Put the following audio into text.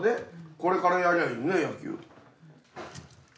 これからやりゃあいいね野球。